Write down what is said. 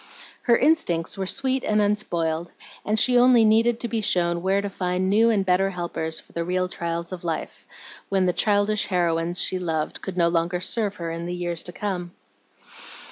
Her instincts were sweet and unspoiled, and she only needed to be shown where to find new and better helpers for the real trials of life, when the childish heroines she loved could no longer serve her in the years to come.